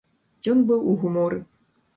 Ён быў у гуморы.